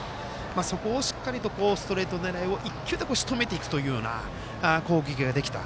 そこをしっかりとストレートを１球でもしとめていくような攻撃ができた。